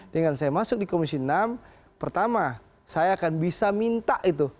dengan saya masuk di komisi enam pertama saya akan bisa minta itu